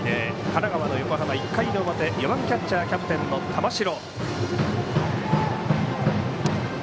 神奈川の横浜、１回の表４番キャッチャーキャプテンの玉城。